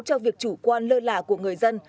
cho việc chủ quan lơ lả của người dân